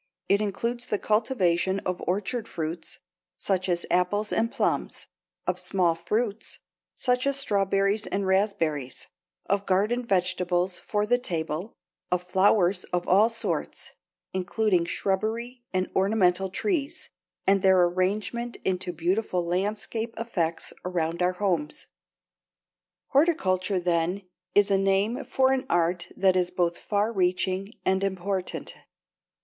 It includes the cultivation of orchard fruits, such as apples and plums; of small fruits, such as strawberries and raspberries; of garden vegetables for the table; of flowers of all sorts, including shrubbery and ornamental trees and their arrangement into beautiful landscape effects around our homes. Horticulture then is a name for an art that is both far reaching and important.